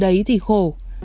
đấy thì khổ